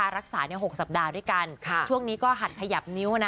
รักษา๖สัปดาห์ด้วยกันช่วงนี้ก็หัดขยับนิ้วนะ